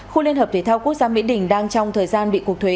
khu liên hợp thể thao quốc gia mỹ đình đang trong thời gian bị cục thuế